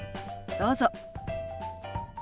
どうぞ。